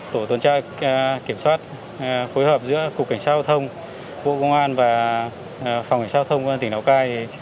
tổ tuần tra kiểm soát phối hợp giữa cục cảnh sát giao thông bộ công an và phòng cảnh sát giao thông công an tỉnh lào cai